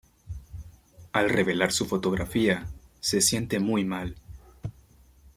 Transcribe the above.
Al revelar su fotografía, se siente muy mal.